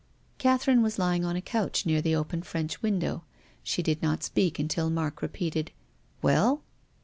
Catherine was lying on a couch near tlic open French window. She did not speak until Mark repeated, "Well?"